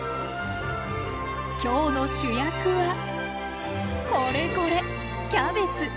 今日の主役はこれこれキャベツ！